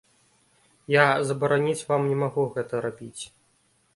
Я забараніць вам не магу гэта рабіць.